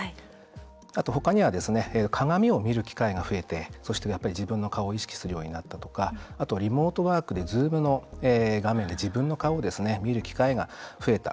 あと他には鏡を見る機会が増えてそして、やっぱり自分の顔を意識するようになったとかあとは、リモートワークでＺｏｏｍの画面で自分の顔を見る機会が増えた。